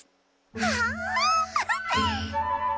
ああ！